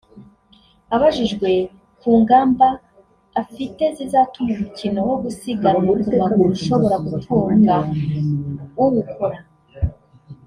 Abajijwe ku ngamba afite zizatuma umukino wo gusiganwa ku maguru ushobora gutunga uwukora